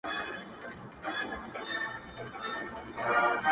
د ايــشـارو په ايـشــاره كـــي ژونـــــدون-